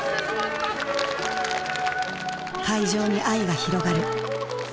会場に愛が広がる。